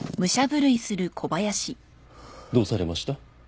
どうされました？